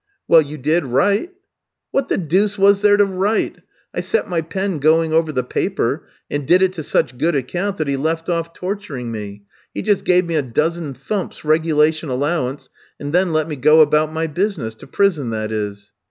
"'Well, you did write?' "'What the deuce was there to write? I set my pen going over the paper, and did it to such good account that he left off torturing me. He just gave me a dozen thumps, regulation allowance, and then let me go about my business: to prison, that is.'